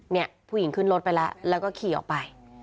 เนี่ยผู้หญิงขึ้นรถไปแล้วแล้วก็ขี่ออกไป